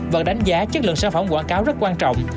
và đánh giá chất lượng sản phẩm quảng cáo rất quan trọng